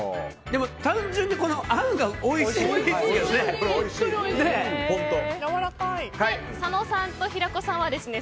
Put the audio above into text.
でも、単純にあんがおいしいよね！